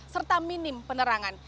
serta minim penerangan